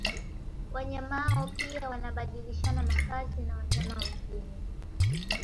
Wanyama hao pia wanabadilishana makazi na wanyama wengine